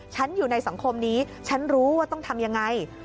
ฉันอยู่ในสังคมนี้ฉันรู้ว่าต้องทำยังไง